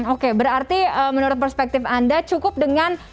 oke berarti menurut perspektif anda cukup dengan